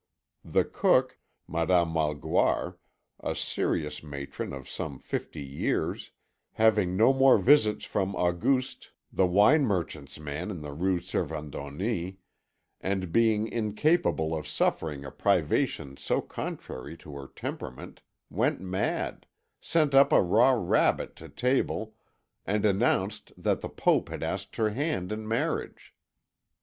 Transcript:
The cook, Madame Malgoire, a serious matron of some fifty years, having no more visits from Auguste, the wine merchant's man in the Rue Servandoni, and being incapable of suffering a privation so contrary to her temperament, went mad, sent up a raw rabbit to table, and announced that the Pope had asked her hand in marriage.